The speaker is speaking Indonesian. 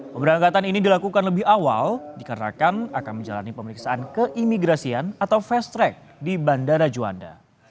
pemberangkatan ini dilakukan lebih awal dikarenakan akan menjalani pemeriksaan keimigrasian atau fast track di bandara juanda